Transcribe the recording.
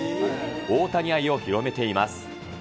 大谷愛を広めています。